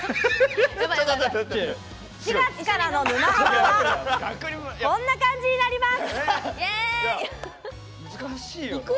４月から「沼ハマ」はこんな感じになります。